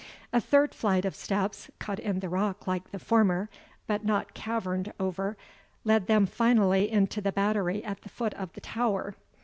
A third flight of steps, cut in the rock like the former, but not caverned over, led them finally into the battery at the foot of the tower.